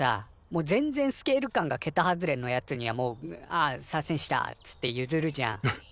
もう全然スケール感がけた外れのやつにはもう「あっサーセンした」っつってゆずるじゃん。